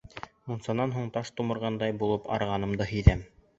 Мунсанан һуң таш тумырғандай булып арығанымды һиҙәм.